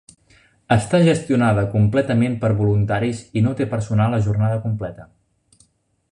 Està gestionada completament per voluntaris i no té personal a jornada completa.